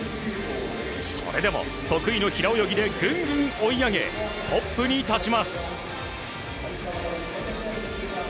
それでも、得意の平泳ぎでぐんぐん追い上げトップに立ちます。